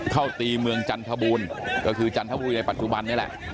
เข้าตีเมืองจรรทุบูรก็คือจรรทปุรีในปัจจุบัน